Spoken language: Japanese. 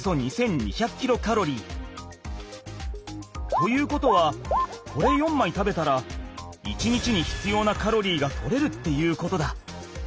ということはこれ４枚食べたら１日に必要なカロリーが取れるっていうことだ。